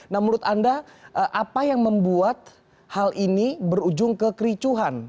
nah menurut anda apa yang membuat hal ini berujung ke kericuhan